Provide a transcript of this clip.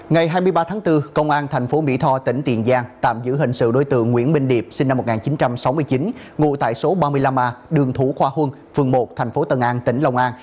ngày hai mươi ba tháng bốn công an tp mỹ tho tỉnh tiền giang tạm giữ hình sự đối tượng nguyễn minh điệp sinh năm một nghìn chín trăm sáu mươi chín ngụ tại số ba mươi năm a đường thủ khoa huân phường một thành phố tân an tỉnh long an